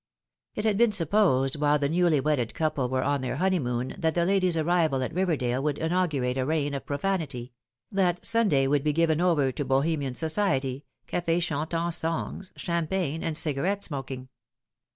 It had been supposed while the newly wedded couple were on their honeymoon that the lady's arrival at Riverdale would inaugurate a reign of prof am ty that Sunday would be given over to Bohemian society, cafe chantant songs, champagne, and cigarette smoking.